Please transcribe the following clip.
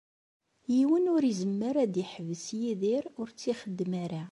Yiwen ur izemmer ad d-iḥbes Yidir ur tt-ixeddem ara.